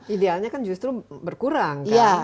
idealnya kan justru berkurang